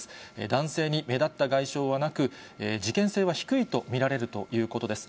男性に目立った外傷はなく、事件性は低いと見られるということです。